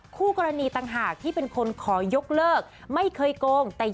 คู่กรณีต่างหากที่เป็นคนขอยกเลิกไม่เคยโกง